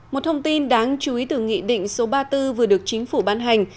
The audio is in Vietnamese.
một thông tin đáng chú ý từ nghị định số ba mươi bốn vừa được chính phủ ban hành